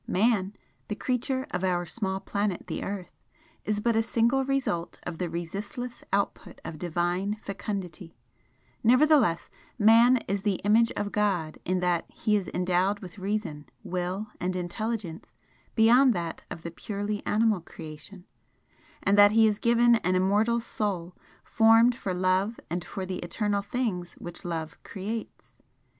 Man, the creature of our small planet, the Earth, is but a single result of the resistless output of Divine fecundity, nevertheless Man is the 'image of God' in that he is endowed with reason, will and intelligence beyond that of the purely animal creation, and that he is given an immortal Soul, formed for love and for the eternal things which love creates.